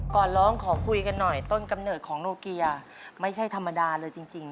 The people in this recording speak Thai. ก่อนร้องขอคุยกันหน่อยต้นกำเนิดของโนเกียไม่ใช่ธรรมดาเลยจริง